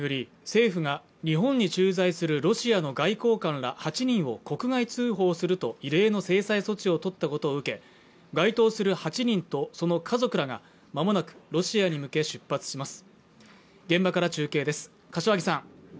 政府が日本に駐在するロシアの外交官ら８人を国外通報すると異例の制裁措置をとったことを受け該当する８人とその家族らがまもなくロシアに向け出発します